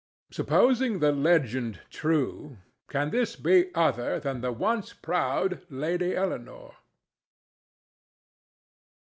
Supposing the legend true, can this be other than the once proud Lady Eleanore?